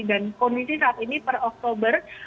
dan kondisi saat ini per oktober